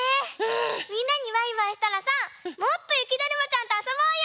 みんなにバイバイしたらさもっとゆきだるまちゃんとあそぼうよ！